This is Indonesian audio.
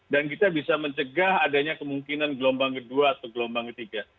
dan kita bisa mencegah adanya kemungkinan gelombang kedua atau gelombang ketiga